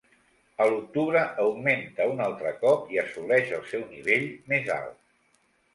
A l'octubre augmenta un altre cop, i assoleix el seu nivell més alt.